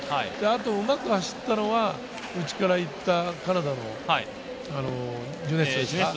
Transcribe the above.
うまく走ったのは内から行ったカナダのジュネストです。